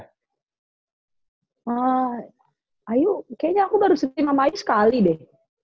hmm ayu kayaknya aku baru setting sama ayu sekali deh